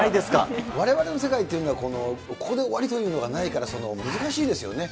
われわれの世界っていうのは、ここで終わりっていうのはないから、難しいですよね。